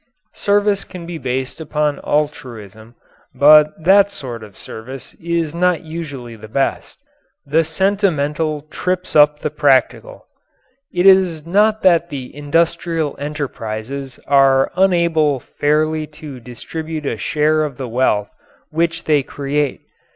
Service can be based upon altruism, but that sort of service is not usually the best. The sentimental trips up the practical. It is not that the industrial enterprises are unable fairly to distribute a share of the wealth which they create.